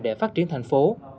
để phát triển thành phố